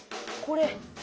これ。